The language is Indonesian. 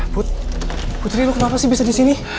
putri putri lu kenapa sih bisa disini